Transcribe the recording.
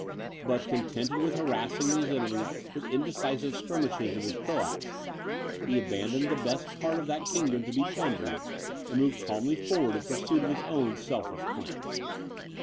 But, contented with harassing the enemy with indecisive skirmishes of his Croats, he abandoned the best part of that kingdom to be plundered, and moved calmly forward in pursuit of his own selfish plans.